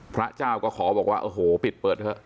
พระเจ้าก็ขอบอกว่าโอ้โหปิดเปิดเถอะ